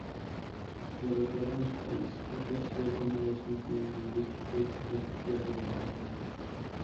De retorno a su país, ejerció como docente de Lingüística y Filosofía del lenguaje.